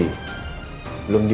tapi dia gak ngerti